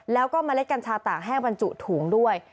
แล้วก็เมล็ดกัญชาตากแห้งบรรจุถุงด้วย